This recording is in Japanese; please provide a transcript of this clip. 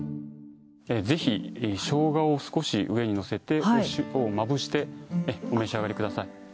ぜひショウガを少し上にのせてお塩をまぶしてお召し上がりください。